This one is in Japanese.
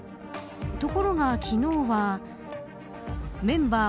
ところが昨日はメンバー